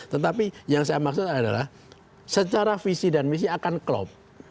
tetapi yang saya maksud adalah secara visi dan misi akan klop